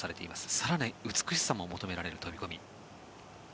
更に美しさも求められる飛込。